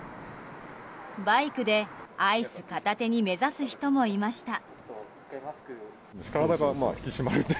バイクでアイス片手に目指す人もいました。